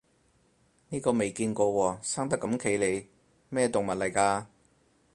呢個未見過喎，生得咁奇離，咩動物嚟㗎